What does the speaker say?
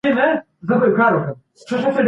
تاسي کله د هیواد د ابادۍ لپاره پلان جوړ کړی؟